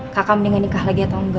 kakak mendingan nikah lagi atau enggak